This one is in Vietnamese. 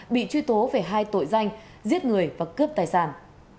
bị truy tố về hai tội danh giết người và cướp tài sản